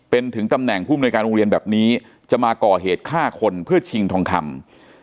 เป็นถึงตำแหน่งผู้มนวยการโรงเรียนแบบนี้จะมาก่อเหตุฆ่าคนเพื่อชิงทองคำ